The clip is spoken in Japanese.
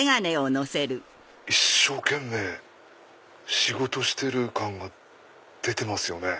一生懸命仕事してる感が出てますよね。